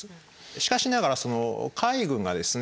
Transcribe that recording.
しかしながらその海軍がですね